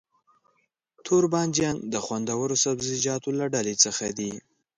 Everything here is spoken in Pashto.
توربانجان د خوندورو سبزيجاتو له ډلې څخه دی.